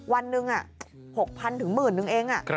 วันหนึ่ง๖๐๐๐นึงเอง